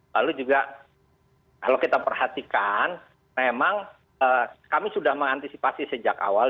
lalu juga kalau kita perhatikan memang kami sudah mengantisipasi sejak awal